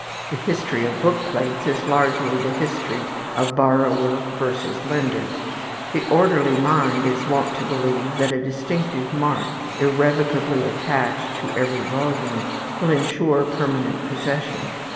The history of book plates is largely the history of borrower versus lender. The orderly mind is wont to believe that a distinctive mark, irrevocably attached to every volume, will insure permanent possession.